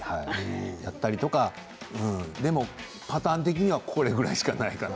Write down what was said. うん、でもパターン的にはこれぐらいしかないかな。